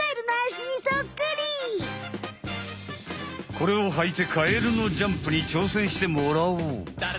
これをはいてカエルのジャンプにちょうせんしてもらおう。